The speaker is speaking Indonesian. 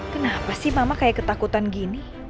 kenapa sih mama kayak ketakutan gini